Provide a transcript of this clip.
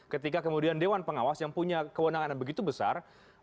ketika kemudian dewan pengawas yang punya kewenangan yang begitu besar